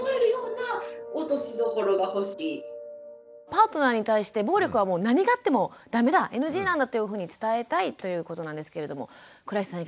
パートナーに対して暴力はもう何があってもダメだＮＧなんだっていうふうに伝えたいということなんですけれども倉石さん